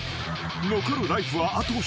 ［残るライフはあと１つ］